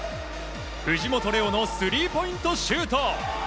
藤本怜央のスリーポイントシュート！